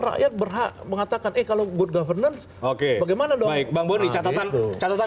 rakyat berhak mengatakan eh kalau good governance oke bagaimana baik bangun dicatatkan catatan